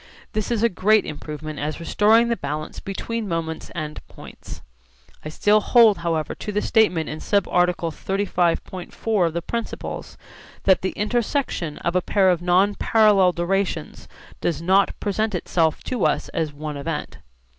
This is a great improvement as restoring the balance between moments and points. I still hold however to the statement in subarticle 35.4 of the Principles that the intersection of a pair of non parallel durations does not present itself to us as one event.